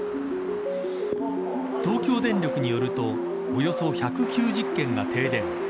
東京電力によるとおよそ１９０軒が停電。